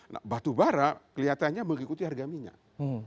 nah batubara kelihatannya mengikuti harga minyak